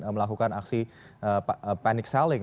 melakukan aksi panic selling